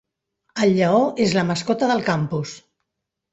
El lleó és la mascota del campus.